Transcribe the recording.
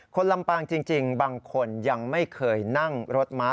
ลำปางจริงบางคนยังไม่เคยนั่งรถม้า